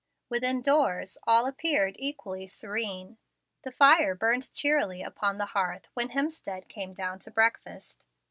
Within doors all appeared equally serene. The fire burned cheerily upon the hearth when Hemstead came down to breakfast.